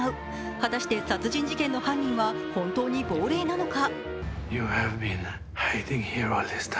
果たして殺人事件の犯人は本当に亡霊なのか？